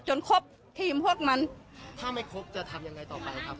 ครบทีมพวกมันถ้าไม่ครบจะทำยังไงต่อไปครับ